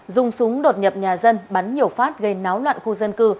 dùng súng đột nhập nhà dân bắn nhiều phát gây náo loạn khu dân cư